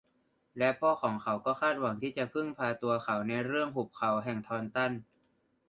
และพ่อของเขาก็คาดหวังจะพึ่งพาตัวเขาในเรื่องหุบเขาแห่งทอนตัน